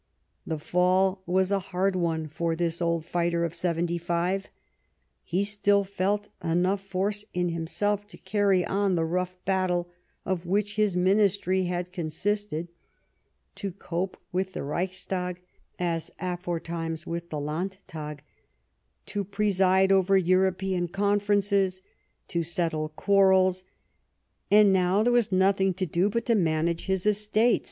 The fall was a hard one for this old fighter of seventy five ; he still felt enough force in himself to carry on the rough battle of which his The last Ministry had consisted ; to cope with the VftArs At Friedrichsrah Reichstag, as aforetimes with the Land tag ; to preside over European con ferences ;< to settle quarrels ; and now there was nothing to do but to manage his estates.